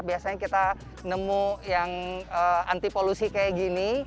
biasanya kita nemu yang anti polusi kayak gini